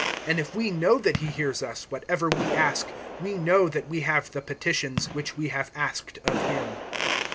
(15)And if we know that he hears us, whatever we ask, we know that we have the petitions which we have asked of him.